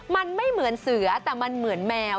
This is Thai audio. มันไม่เหมือนเสือแต่มันเหมือนแมว